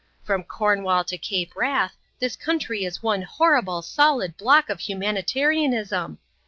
From Cornwall to Cape Wrath this county is one horrible, solid block of humanitarianism.